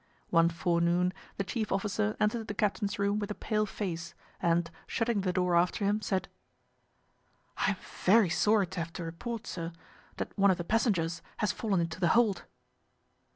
One forenoon the chief officer entered the captain's room with a pale face, and, shutting the door after him, said— "I am very sorry to have to report, sir, that one of the passengers has fallen into the hold."